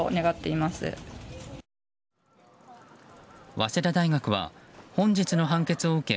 早稲田大学は本日の判決を受け